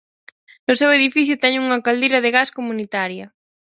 No seu edificio teñen unha caldeira de gas comunitaria.